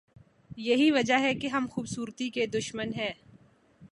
یہی وجہ ہے کہ ہم خوبصورتی کے دشمن ہیں۔